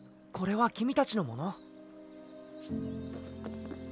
これは君たちのもの？